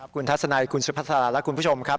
คุณทัศนัยคุณสุภาษาและคุณผู้ชมครับ